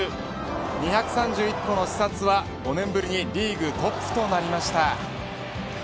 ２３１個のスタッツは５年ぶりにリーグトップとなりました。